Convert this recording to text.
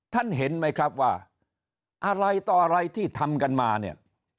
ท่านเห็นไหมครับว่าอะไรต่ออะไรที่ทำกันมาเนี่ย